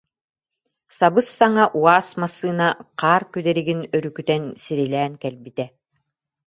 Сабыс-саҥа «УАЗ» массыына хаар күдэригин өрүкүтэн сирилээн кэл- битэ